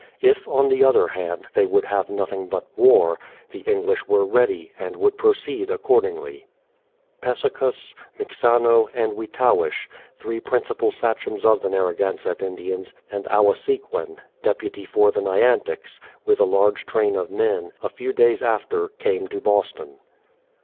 If, on the other hand, they would have nothing but war, the English were ready, and would proceed accordingly. 334 BRADFORD'S HISTORY OP Pessecuss, Mixano, and Weetowish, three principal sachems of the Narragansett Indians, and Awasequin, deputy for the Nyantics, with a large train of men, a few days after, came to Boston.